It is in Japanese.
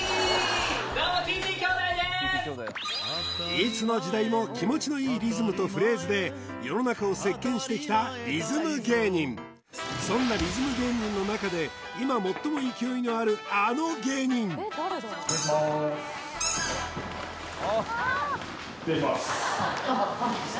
いつの時代も気持ちのいいリズムとフレーズで世の中を席けんしてきたリズム芸人そんなリズム芸人の中で今失礼しますあっ